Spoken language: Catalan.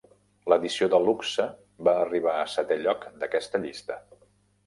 L'edició de luxe va arribar a setè lloc d'aquesta llista.